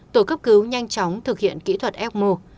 tổ cấp cứu nhanh chóng thực hiện kỹ thuật ecmo